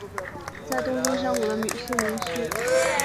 在东京山谷的宿民街。